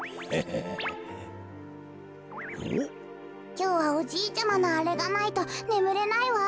きょうはおじいちゃまのあれがないとねむれないわ。